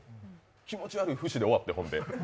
気持ち悪い節で終わって。